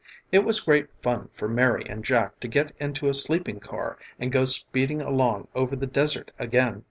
It was great fun for Mary and Jack to get into a sleeping car and go speeding along over the desert again.